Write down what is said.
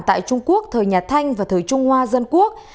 tại trung quốc thời nhà thanh và thời trung hoa dân quốc